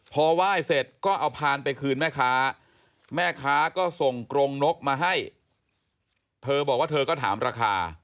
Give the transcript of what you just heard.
พอไหว้เสร็จก็เอาพานไปคืนแม่ค้าแม่ค้าก็ส่งกรงนกมาให้เธอบอกว่าเธอก็ถามราคา